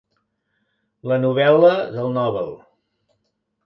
La novel·la del Nobel.